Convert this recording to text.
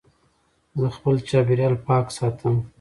زه خپل چاپېریال پاک ساتم.